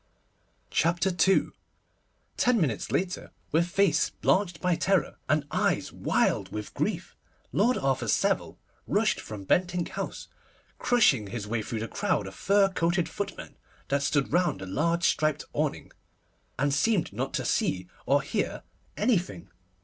CHAPTER II TEN minutes later, with face blanched by terror, and eyes wild with grief, Lord Arthur Savile rushed from Bentinck House, crushing his way through the crowd of fur coated footmen that stood round the large striped awning, and seeming not to see or hear anything.